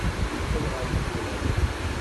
Mmuqqel ɣer yitran.